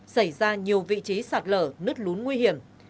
xảy ra nhiều vị trí sạt lở nứt lún nguy hiểm